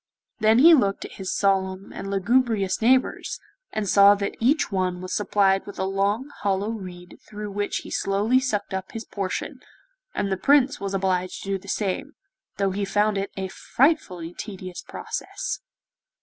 Then he looked at his solemn and lugubrious neighbours, and saw that each one was supplied with a long hollow reed through which he slowly sucked up his portion, and the Prince was obliged to do the same, though he found it a frightfully tedious process.